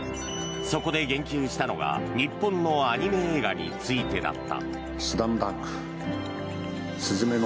そこで言及したのが日本のアニメ映画についてだった。